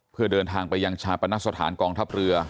เพื่อเดินทางไปยังชาปนสถานกองทัพเรือ